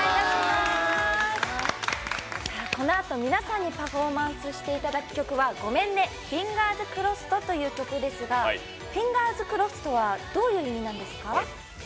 このあと、皆さんにパフォーマンスしていただく曲は「ごめんねＦｉｎｇｅｒｓｃｒｏｓｓｅｄ」という曲ですが「Ｆｉｎｇｅｒｓｃｒｏｓｓｅｄ」はどういう意味なんですか？